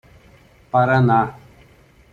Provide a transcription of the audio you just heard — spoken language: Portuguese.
Paraná